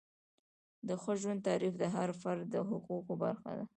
د ښه ژوند تعریف د هر فرد د حقوقو برخه ده.